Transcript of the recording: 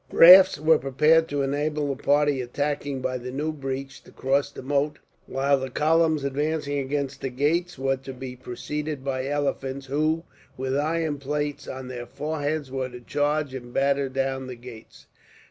Rafts were prepared to enable the party attacking by the new breach to cross the moat, while the columns advancing against the gates were to be preceded by elephants, who, with iron plates on their foreheads, were to charge and batter down the gates.